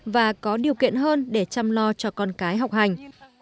và có điều kiện hơn để chăm lo cho con cái học hành